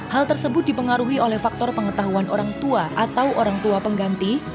hal tersebut dipengaruhi oleh faktor pengetahuan orang tua atau orang tua pengganti